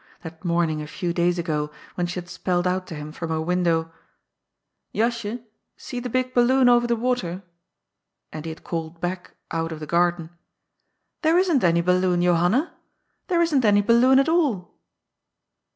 that morning, a few days ago, when she had spelt out to him from her window, " Jasje, see the big bal loon over the water !" and he had called back out of the gar den, "There isn't any balloon, Johanna — there isn't any balloon at all."